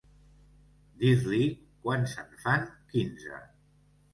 Dir-li quants en fan quinze.